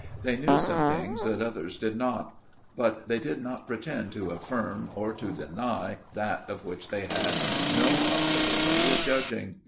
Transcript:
They knew some things that others did not ; but they did not pretend to affirm or to deny that of which they had no possibility of judging.